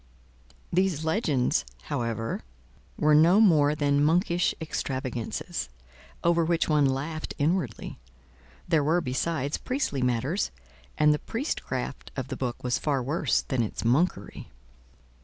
These legends, however, were no more than monkish extravagances, over which one laughed inwardly; there were, besides, priestly matters, and the priestcraft of the book was far worse than its monkery.